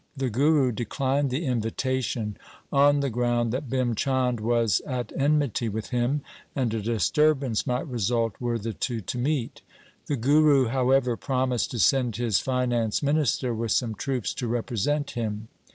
The Guru declined the invita tion on the ground that Bhim Chand was at enmity with him and a disturbance might result were the two to meet. The Guru, however, promised to send his finance minister with some troops to represent him.